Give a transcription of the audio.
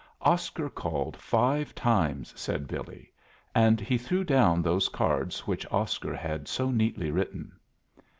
"Oscar called five times," said Billy; and he threw down those cards which Oscar had so neatly written.